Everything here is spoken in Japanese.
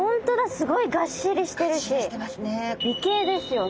すごいがっしりしてるし美形ですよね？